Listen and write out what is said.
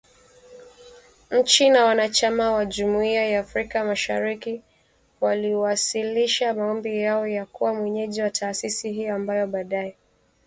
Nchi wanachama wa Jumuiya ya Afrika Mashariki waliwasilisha maombi yao ya kuwa mwenyeji wa taasisi hiyo ambayo baadae itapelekea kuwepo Benki Kuu ya kanda.